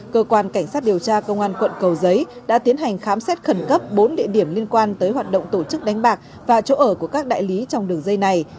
cơ quan cảnh sát điều tra công an quận cầu giấy đã tiến hành khám xét khẩn cấp bốn địa điểm liên quan tới hoạt động tổ chức đánh bạc và chỗ ở của các đại lý trong đường dây này